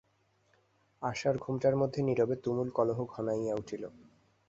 আশার ঘোমটার মধ্যে নীরবে তুমুল কলহ ঘনাইয়া উঠিল।